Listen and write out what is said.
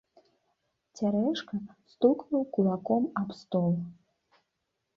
Цярэшка стукнуў кулаком аб стол.